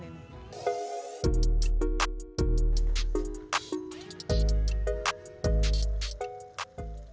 saya juga akan mencoba